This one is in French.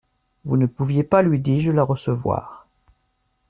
Vous ne pouviez pas, lui dis-je, la recevoir.